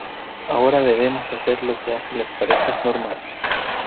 ahora debemos hacer lo que hacen las parejas normales.